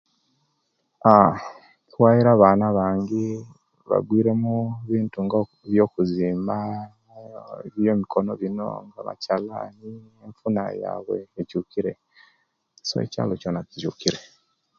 Aah kuwaire abaana abangi bagwire mubintu nga byokuzimba ebyemikino jino byakyalani enfuna yabwe ekyukire so ekyalo kyona kikyukire